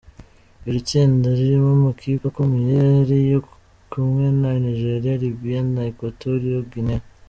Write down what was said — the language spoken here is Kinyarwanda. Iri tsinda ririmo amakipe akomeye ariyo kumwe na Nigeria, Libya na Equatorial Guinea.